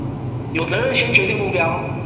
有責任先決定目標